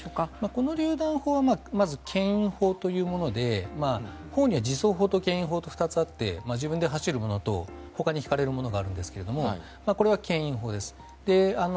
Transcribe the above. このりゅう弾砲はけん引砲というもので砲には自走砲とけん引砲と２つあって自分で走るものとほかに引かれるものがあるんですがこれはけん引砲です。